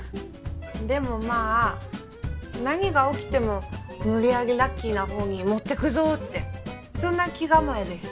でもまあなにが起きても無理やりラッキーなほうに持ってくぞってそんな気構えです。